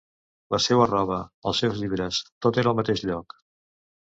La seua roba, els seus llibres, tot era al mateix lloc.